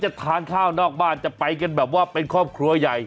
ทานข้าวนอกบ้านจะไปกันแบบว่าเป็นครอบครัวใหญ่